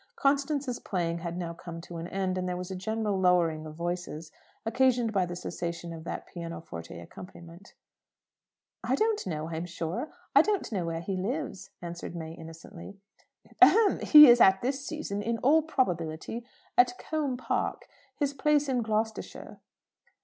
Constance's playing had now come to an end, and there was a general lowering of voices, occasioned by the cessation of that pianoforte accompaniment. "I don't know, I'm sure. I don't know where he lives," answered May innocently. "Ahem! He is at this season, in all probability, at Combe Park, his place in Gloucestershire."